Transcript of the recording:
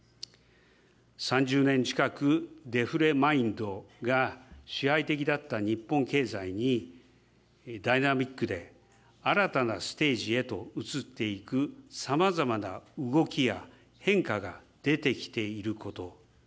３０年近くデフレマインドが支配的だった日本経済に、ダイナミックで新たなステージへと移っていくさまざまな動きや変化が出てきていること。